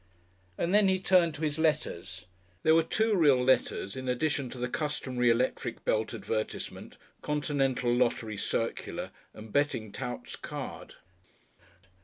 And then he turned to his letters. There were two real letters in addition to the customary electric belt advertisement, continental lottery circular and betting tout's card.